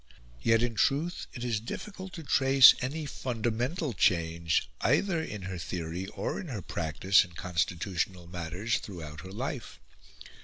Yet in truth it is difficult to trace any fundamental change either in her theory or her practice in constitutional matters throughout her life.